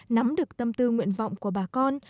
nắm được tâm tư nguyện vọng của bà con